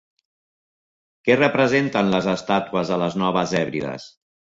Què representen les estàtues a les Noves Hèbrides?